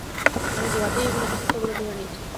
আমি গোড়াতেই এগুলিকে সত্য বলে ধরে নিয়েছি।